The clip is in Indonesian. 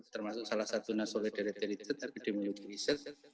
termasuk salah satu nasolidari terbit tergede mulut riset